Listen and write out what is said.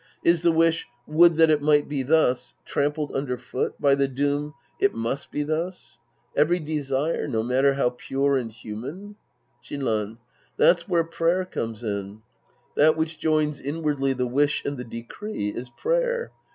Is the wish, " Would that it might be thus," trampled under foot by the doom, " It must be thus "? Every desire, no matter how pure and human ? Shinran. That's where prayer comes in. That which joins inwardly the wish and the decree is prayer.